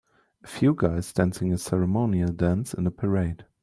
A few guys dancing a ceremonial dance in a parade